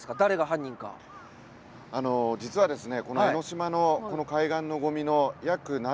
あの実はですね